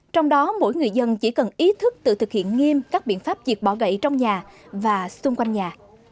trong đó mỗi người dân chỉ cần ý thức tự thực hiện nghiêm các biện pháp diệt bỏ gậy trong nhà và xung quanh nhà